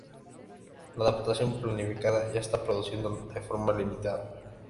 La adaptación planificada ya se está produciendo de forma limitada.